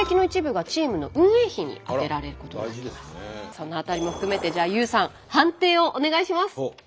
そんな辺りも含めてじゃあＹＯＵさん判定をお願いします。